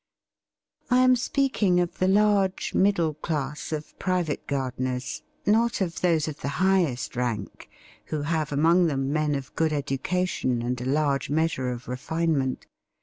I am speaking of the large middle class of private gardeners, not of those of the highest rank, who have among them men of good education and a large measure of refinement.